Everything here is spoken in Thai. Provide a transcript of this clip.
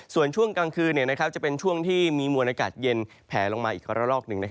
ส่วนช่วงกลางคืนจะเป็นช่วงที่มีมวลอากาศเย็นแผลลงมาอีกครั้งละลอกหนึ่ง